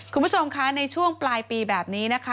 คุณผู้ชมคะในช่วงปลายปีแบบนี้นะคะ